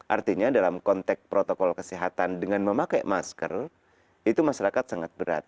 artinya dalam konteks protokol kesehatan dengan memakai masker itu masyarakat sangat berat